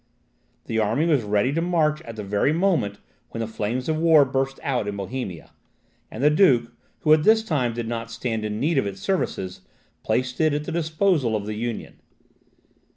The army was ready to march at the very moment when the flames of war burst out in Bohemia, and the duke, who at the time did not stand in need of its services, placed it at the disposal of the Union.